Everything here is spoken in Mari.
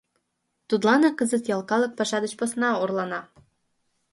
Тудланак кызыт ял калык паша деч посна орлана.